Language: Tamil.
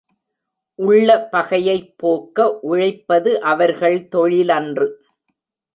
உள்ள பகையைப் போக்க உழைப்பது அவர்கள் தொழிலன்று.